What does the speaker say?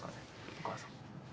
お母さん。